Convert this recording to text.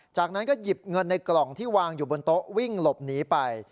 จากนั้นก็หยิบเงินในกล่องที่วางอยู่บนโต๊ะวิ่งหลบหนีไป